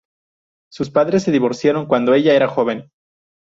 Sus padres se divorciaron cuando ella era joven.